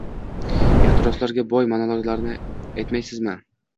Ehtiroslarga boy monologlarini aytmaysizmi.